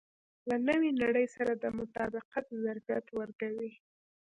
له نوې نړۍ سره د مطابقت ظرفیت ورکوي.